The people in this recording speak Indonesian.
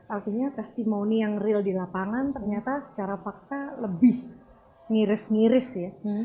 artinya testimoni yang real di lapangan ternyata secara fakta lebih ngiris ngiris ya